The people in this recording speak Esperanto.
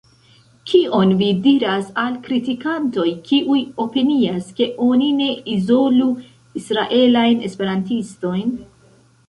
Kion vi diras al kritikantoj, kiuj opinias, ke oni ne izolu israelajn esperantistojn?